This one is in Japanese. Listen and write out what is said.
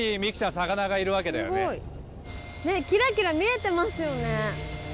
すごいねキラキラ見えてますよね